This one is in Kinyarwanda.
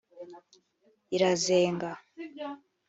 irazenga